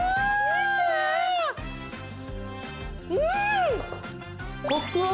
うん！